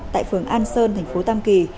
tại phường an sơn thành phố tam kỳ